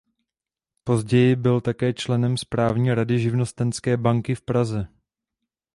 Později byl také členem správní rady Živnostenské banky v Praze.